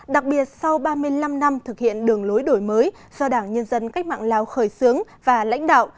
đặc biệt sau ba mươi năm năm thực hiện đường lối đổi mới do đảng nhân dân cách mạng lào khởi xướng và lãnh đạo